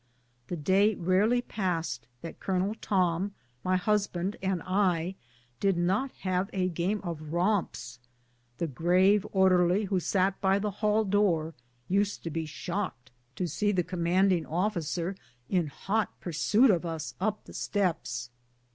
The day rarely passed that Col. Tom, my husband, and I did not have a game of romps. The grave orderly who sat by the hall door used to be shocked to see the commanding officer in hot pursuit of us up the steps.